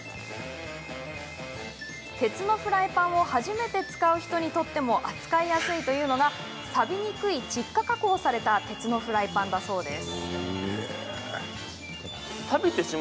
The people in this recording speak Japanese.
鉄のフライパンを初めて使う人にとっても扱いやすいというのがさびにくい窒化加工された鉄のフライパンだそうです。